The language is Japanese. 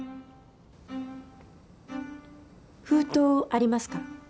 封筒ありますか？